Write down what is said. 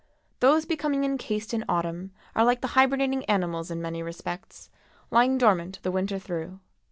Those becoming encased in autumn are like the hibernating animals in many respects, lying dormant the winter through.